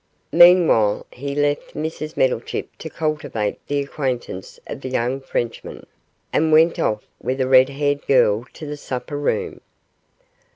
Meanwhile, he left Mrs Meddlechip to cultivate the acquaintance of the young Frenchman, and went off with a red haired girl to the supper room.